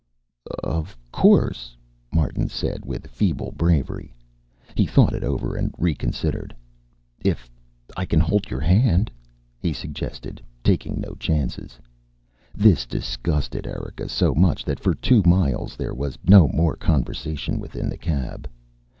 "Of course," Martin said with feeble bravery. He thought it over and reconsidered. "If I can hold your hand," he suggested, taking no chances. This disgusted Erika so much that for two miles there was no more conversation within the cab.